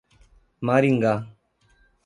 Maringá